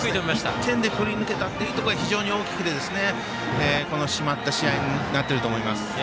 １点で止めたところ非常に大きくて締まった試合になっていると思います。